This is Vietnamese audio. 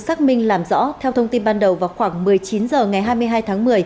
xác minh làm rõ theo thông tin ban đầu vào khoảng một mươi chín h ngày hai mươi hai tháng một mươi